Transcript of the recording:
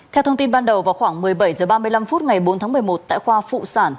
theo thông tin ban đầu vào khoảng một mươi bảy h ba mươi năm phút ngày bốn tháng một mươi một tại khoa phụ sản